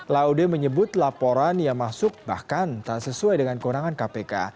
laude menyebut laporan yang masuk bahkan tak sesuai dengan kewenangan kpk